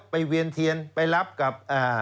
เวียนเทียนไปรับกับ